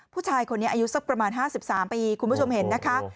ผู้ชายคนนี้อายุสักประมาณ๕๓ปีคุณผู้ชมเห็นนะคะ